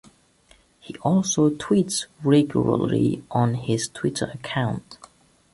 He also tweets regularly on his Twitter account.